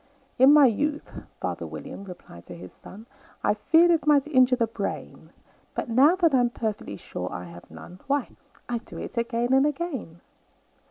"In my youth," father William replied to his son, "I feared it might injure the brain; But, now that I'm perfectly sure I have none, Why, I do it again and again."